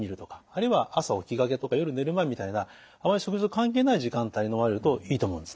あるいは朝起きがけとか夜寝る前みたいなあまり食事と関係ない時間帯にのまれるといいと思うんですね。